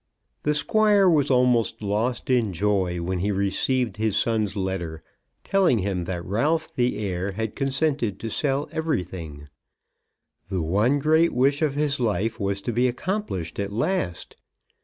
The Squire was almost lost in joy when he received his son's letter, telling him that Ralph the heir had consented to sell everything. The one great wish of his life was to be accomplished at last!